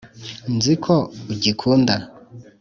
nzi ko ugikunda